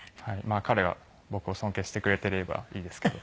彼が僕を尊敬してくれていればいいですけど。